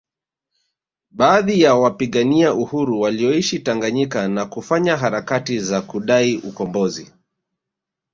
Baadhi ya wapigania uhuru walioishi Tanganyika na kufanya harakati za kudai ukumbozi